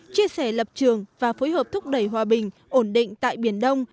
chia sẻ lập trường và phối hợp thúc đẩy hòa bình ổn định tại biển đông